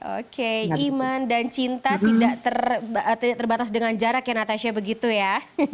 oke iman dan cinta tidak terbatas dengan jarak ya natasha begitu ya